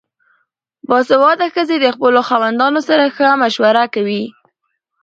باسواده ښځې د خپلو خاوندانو سره ښه مشوره کوي.